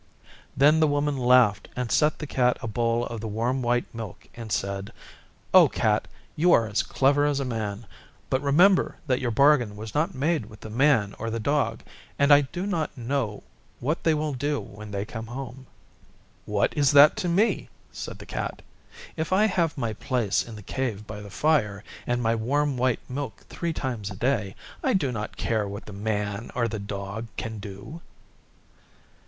Then the Woman laughed and set the Cat a bowl of the warm white milk and said, 'O Cat, you are as clever as a man, but remember that your bargain was not made with the Man or the Dog, and I do not know what they will do when they come home.' 'What is that to me?' said the Cat. 'If I have my place in the Cave by the fire and my warm white milk three times a day I do not care what the Man or the Dog can do.